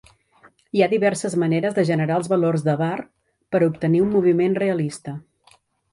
Hi ha diverses maneres de generar els valors d'Avar per a obtenir un moviment realista.